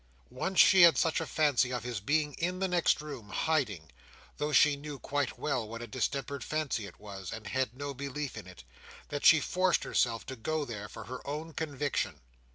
Once she had such a fancy of his being in the next room, hiding—though she knew quite well what a distempered fancy it was, and had no belief in it—that she forced herself to go there, for her own conviction.